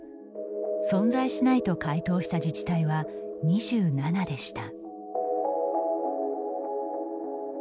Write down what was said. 存在しないと回答した自治体は２７でした。